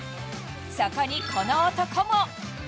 そこにこの男も。